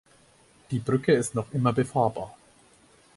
Die Brücke ist noch immer befahrbar.